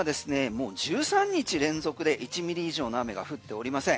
もう１３日連続で１ミリ以上の雨が降っておりません。